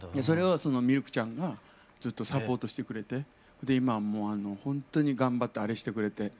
それをミルクちゃんがずっとサポートしてくれて今もうほんとに頑張ってあれしてくれて。